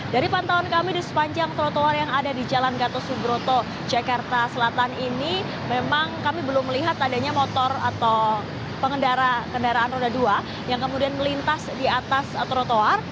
dari pantauan kami di sepanjang trotoar yang ada di jalan gatot subroto jakarta selatan ini memang kami belum melihat adanya motor atau pengendara kendaraan roda dua yang kemudian melintas di atas trotoar